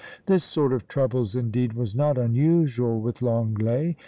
This sort of troubles indeed was not unusual with Lenglet.